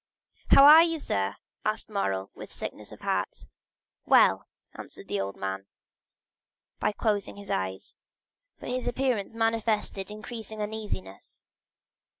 "How are you, sir?" asked Morrel, with a sickness of heart. "Well," answered the old man, by closing his eyes; but his appearance manifested increasing uneasiness.